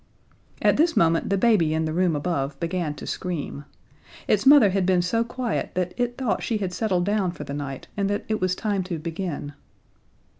At this moment the baby in the room above began to scream. Its mother had been so quiet that it thought she had settled down for the night, and that it was time to begin.